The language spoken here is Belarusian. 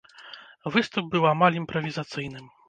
Выступ быў амаль імправізацыйным.